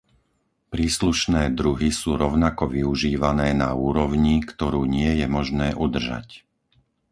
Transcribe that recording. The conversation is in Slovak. Príslušné druhy sú rovnako využívané na úrovni, ktorú nie je možné udržať.